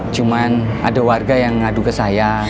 cuma ada warga yang ngadu ke saya